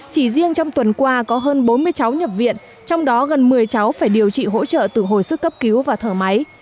chỉ riêng trong tuần qua có hơn bốn mươi cháu nhập viện trong đó gần một mươi cháu phải điều trị hỗ trợ từ hồi sức cấp cứu và thở máy